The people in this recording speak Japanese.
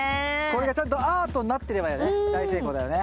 これがちゃんとアートになってればやね